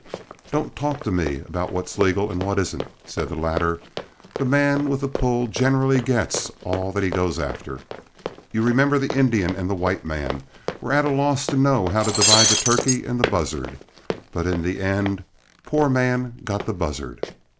"Don't talk to me about what's legal and what isn't," said the latter; "the man with the pull generally gets all that he goes after. You remember the Indian and the white man were at a loss to know how to divide the turkey and the buzzard, but in the end poor man got the buzzard.